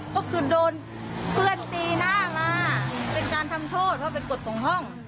ก็คือโดนเพื่อนตีหน้ามาเป็นการทำโทษว่าเป็นกฎของห้อง